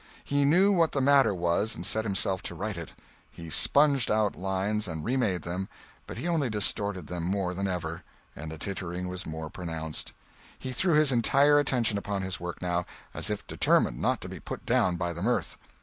He knew what the matter was, and set himself to right it. He sponged out lines and remade them; but he only distorted them more than ever, and the tittering was more pronounced. He threw his entire attention upon his work, now, as if determined not to be put down by the mirth.